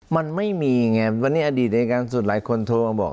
มันไม่มีไงวันนี้อดีตอายการสุดหลายคนโทรมาบอก